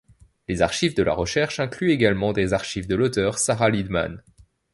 Les archives de la recherche incluent également des archives de l'auteur Sara Lidman.